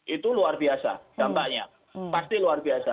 itu luar biasa dampaknya pasti luar biasa